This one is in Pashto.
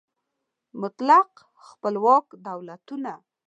مطلق خپلواک دولتونه